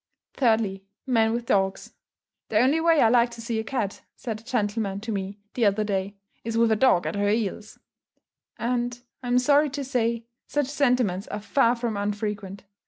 Thirdly, Men with dogs. "The only way I like to see a cat," said a gentleman to me the other day, "is with a dog at her heels;" and, I'm sorry to say, such sentiments are far from unfrequent.